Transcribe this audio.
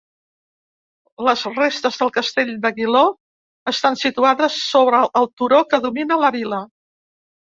Les restes del castell d'Aguiló estan situades sobre el turó que domina la vila.